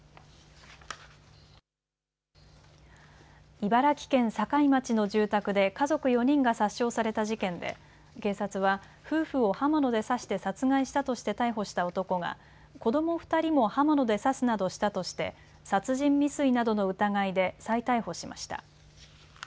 茨城県境町の住宅で家族４人が殺傷された事件で警察は夫婦を刃物で刺して殺害したとして逮捕した男が子ども２人も刃物で刺すなどしたとして殺人未遂などの疑いで再逮捕しました。